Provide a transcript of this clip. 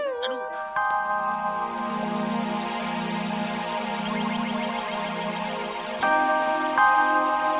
aduh aduh aduh aduh aduh aduh